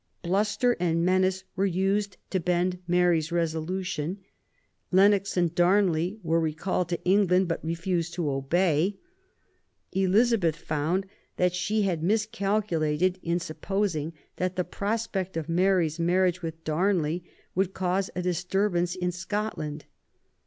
Bluster and menace were used to bend Mary's resolution ; Lennox and Darnley were recalled to England, but refused to obey. Elizabeth found that she had miscalculated m supposing that the prospect of Mary's marriage with Darnley would cause a disturbance in Scot land.